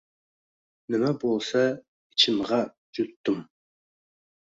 Nima bo‘lsa ichimg‘a jutdim